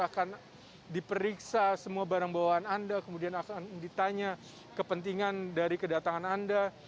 akan diperiksa semua barang bawaan anda kemudian akan ditanya kepentingan dari kedatangan anda